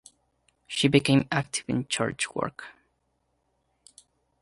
She became active in church work.